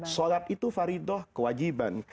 solat itu faridot kewajiban